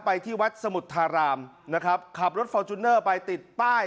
ที่วัดสมุทธารามนะครับขับรถฟอร์จูเนอร์ไปติดป้าย